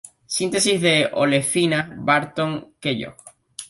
Síntesis de olefinas Barton-Kellogg.